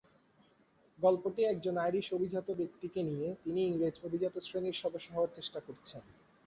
গল্পটি একজন আইরিশ অভিজাত ব্যক্তিকে নিয়ে, যিনি ইংরেজ অভিজাত শ্রেণির সদস্য হওয়ার চেষ্টা করছেন।